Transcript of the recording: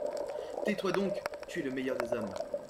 Tais-toi donc ! tu es le meilleur des hommes.